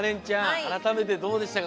あらためてどうでしたか？